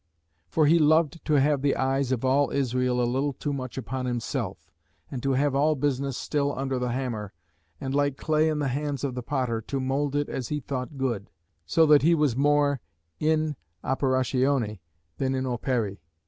For he loved to have the eyes of all Israel a little too much upon himself, and to have all business still under the hammer, and like clay in the hands of the potter, to mould it as he thought good; so that he was more in operatione than in opere.